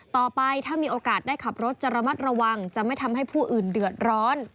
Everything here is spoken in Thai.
ต่อไปถ้ามีโอกาสได้ขับรถจะระมัดระวังจะไม่ทำให้ผู้อื่นเดือดร้อน